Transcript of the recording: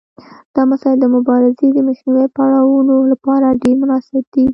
دا مسایل د مبارزې د منځنیو پړاوونو لپاره ډیر مناسب دي.